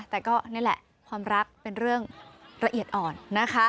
แต่ก็นี่แหละความรักเป็นเรื่องละเอียดอ่อนนะคะ